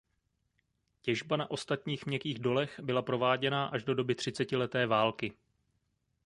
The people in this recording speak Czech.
Těžba na ostatních měkkých dolech byla prováděná až do doby třicetileté války.